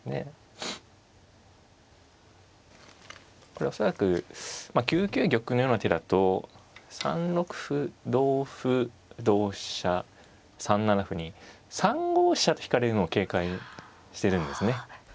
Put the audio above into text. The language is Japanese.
これは恐らく９九玉のような手だと３六歩同歩同飛車３七歩に３五飛車と引かれるのを警戒してるんですね。